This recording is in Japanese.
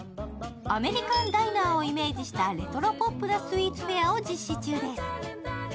アメリカンダイナーをイメージしたレトロポップなスイーツフェアを実施中です。